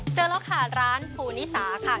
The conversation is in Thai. เจอแล้วค่ะร้านปูนิสาค่ะ